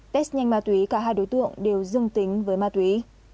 test nhanh ma túy cả hai đối tượng đều dương tính với ma túy